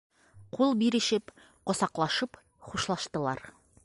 Ҡул бирешеп, ҡосаҡлашып хушлаштылар.